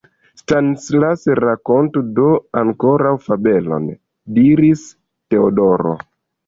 Stanislas, rakontu do ankoraŭ fabelon! diris Teodoro.